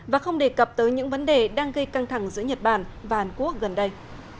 và không đề cập tới những vấn đề đang gây căng thẳng giữa nhật bản và hàn quốc gần đây